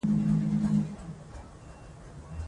رضا پهلوي د تاوتریخوالي مخالفت کوي.